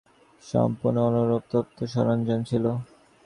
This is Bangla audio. তাদের কেউই আগে গুহা ডাইভ করেনি আর তাদের সরঞ্জাম ছিল সম্পূর্ণ অনুপযুক্ত।